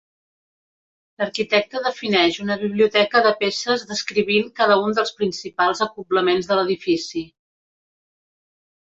L'arquitecte defineix una biblioteca de peces descrivint cada un dels principals acoblaments de l'edifici.